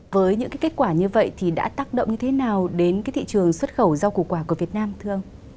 với những kết quả như vậy thì đã tác động như thế nào đến cái thị trường xuất khẩu rau củ quả của việt nam thưa ông